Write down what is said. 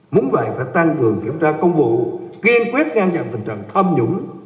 muốn vậy phải tăng cường kiểm tra công vụ kiên quyết ngang dạng tình trạng thâm nhũng